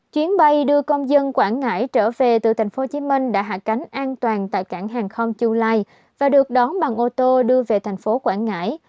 chuyến bay đưa công dân quảng ngãi trở về từ thành phố hồ chí minh đã hạ cánh an toàn tại cảng hàng không chiu lai và được đón bằng ô tô đưa về thành phố quảng ngãi